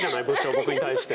僕に対して。